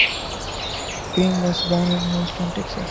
Green was born in Houston, Texas.